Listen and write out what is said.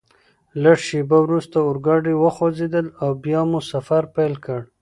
لږ شیبه وروسته اورګاډي وخوځېدل او بیا مو سفر پیل کړ.